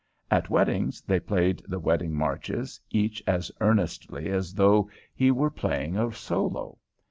At weddings they played the wedding marches, each as earnestly as though he were playing a solo.